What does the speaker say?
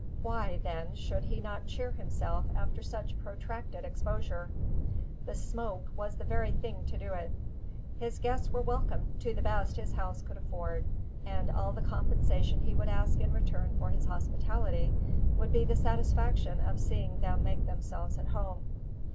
Why, then, should he not cheer himself after such protracted exposure? The "smoke" was the very thing to do it. His guests were welcome to the best his house could afford, and all the compensation he would ask in return for his hospitality would be the satisfaction of seeing them make themselves at home.